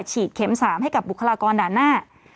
ฉีดเข็ม๓ให้กับบุคลากรด่านหน้า